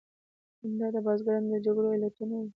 همدا د بزګرانو د جګړو علتونه وو.